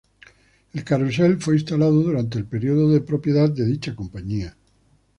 El carrusel fue instalado durante el periodo de propiedad de dicha compañía.